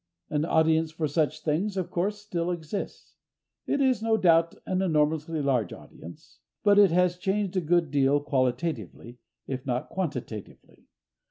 An audience for such things, of course, still exists. It is, no doubt, an enormously large audience. But it has changed a good deal qualitatively, if not quantitatively.